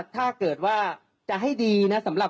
ถ้าเกิดว่าจะให้ดีนะ